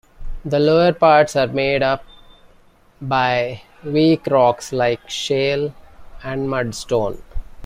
The lower parts are made up by weak rocks like shale and mudstone.